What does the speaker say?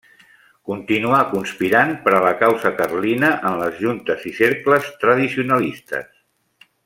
Continuà conspirant per a la causa carlina en les juntes i cercles tradicionalistes.